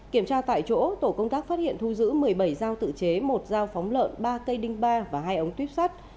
kiểm tra tại chỗ tổ công tác phát hiện thu giữ một mươi bảy dao tự chế một dao phóng lợn ba cây đinh ba và hai ống tuyếp sắt